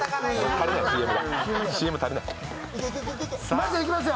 ＣＭ足りない。